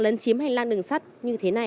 lấn chiếm hành lang đường sắt như thế này